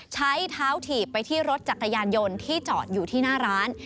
ใช้เท้าถีบไปที่รถจักรยานยนต์ที่จอดอยู่ที่หน้าร้าน